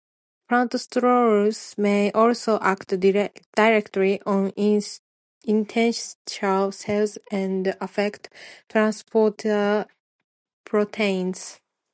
Plant sterols may also act directly on intestinal cells and affect transporter proteins.